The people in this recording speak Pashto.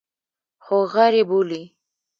خو غر یې بولي.